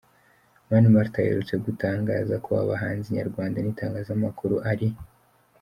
Mani Martin aherutse gutangaza ko abahanzi Nyarwanda n’itangazamakuru ari